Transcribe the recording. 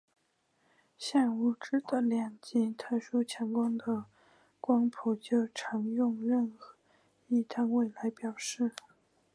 像物质的量及特殊强度的光谱就常用任意单位来表示。